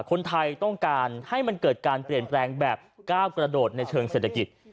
คนไทยต้องการให้มันเกิดการเปลี่ยนแปลงแบบก้าวกระโดดในเชิงเศรษฐกิจ